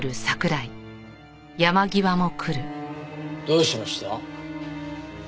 どうしました？